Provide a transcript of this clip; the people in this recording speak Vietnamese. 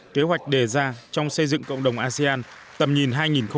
kế hoạch đề ra trong xây dựng cộng đồng asean tầm nhìn hai nghìn hai mươi năm